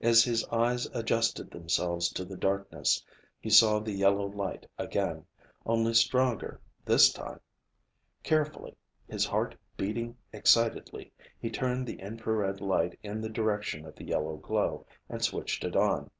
As his eyes adjusted themselves to the darkness, he saw the yellow light again, only stronger this time! Carefully, his heart beating excitedly, he turned the infrared light in the direction of the yellow glow and switched it on.